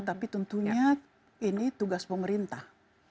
tapi tentunya ini tugas pemerintah